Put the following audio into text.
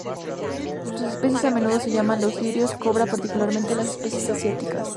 Sus especies a menudo se llaman los lirios Cobra, particularmente las especies asiáticas.